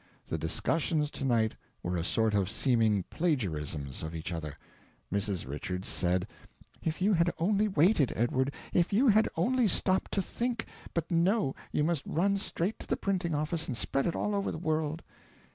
The discussions to night were a sort of seeming plagiarisms of each other. Mrs. Richards said: "If you had only waited, Edward if you had only stopped to think; but no, you must run straight to the printing office and spread it all over the world."